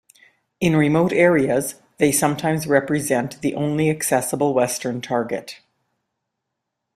In remote areas, they sometimes represent the only accessible western target.